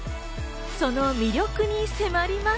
その魅力に迫ります。